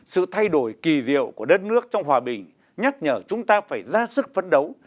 sự thay đổi kỳ diệu của đất nước trong hòa bình nhắc nhở chúng ta phải ra sức phấn đấu